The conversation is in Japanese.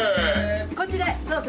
こちらへどうぞ。